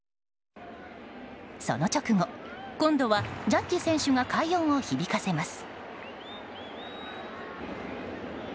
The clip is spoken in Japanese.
その直後、今度はジャッジ選手が快音を響かせます。